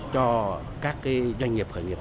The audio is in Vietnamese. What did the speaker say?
cho các doanh nghiệp khởi nghiệp